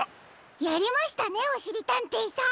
やりましたねおしりたんていさん。